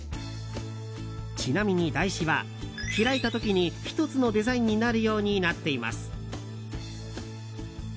ちなみに台紙は開いた時に１つのデザインになるようになっています。